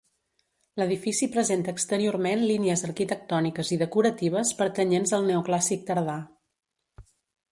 L'edifici presenta exteriorment línies arquitectòniques i decoratives pertanyents al neoclàssic tardà.